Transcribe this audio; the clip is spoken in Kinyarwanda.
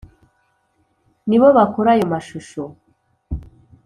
ni bo bakora ayo mashusho,